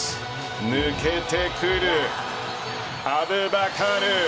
抜けてくるアブバカル。